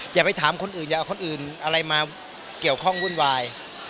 อย่าไปถามคนอื่นอย่าเอาคนอื่นอะไรมาเกี่ยวข้องวุ่นวาย